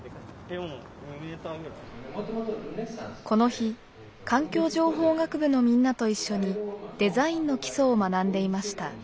この日環境情報学部のみんなと一緒にデザインの基礎を学んでいました。